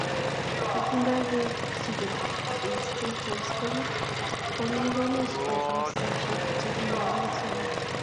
Ye kingakechigilech eng stethoscopit, kokikikonech kartasisyek chekinyolu kesoman.